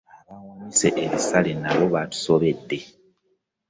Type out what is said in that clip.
Abawanise ebisale nabo batusobedde.